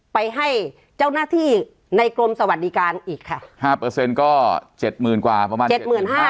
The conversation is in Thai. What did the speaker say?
ไปให้เจ้าหน้าที่ในกรมสวัสดิการอีกค่ะห้าเปอร์เซ็นต์ก็เจ็ดหมื่นกว่าประมาณเจ็ดหมื่นห้า